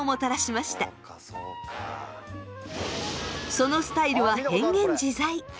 そのスタイルは変幻自在。